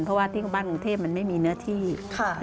เพราะว่าที่บ้านกรุงเทพมันไม่มีเนื้อที่